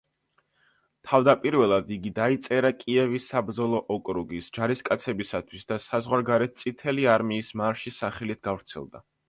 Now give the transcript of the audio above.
თავდაპირველად იგი დაიწერა კიევის საბრძოლო ოკრუგის ჯარისკაცებისათვის და საზღვარგარეთ „წითელი არმიის მარშის“ სახელით გავრცელდა.